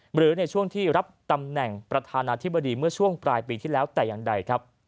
หรือในช่วงที่รับตำแหน่งประธานาธิบดีเมื่อช่วงปลายปีที่แล้วแต่อย่างใดครับ